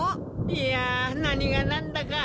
いやなにがなんだか。